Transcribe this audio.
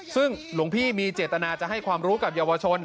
ซึ่งหลวงพี่มีเจตนาจะให้ความรู้กับเยาวชน